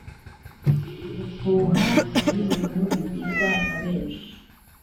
Gufuha ni ibintu bigirwa na benshi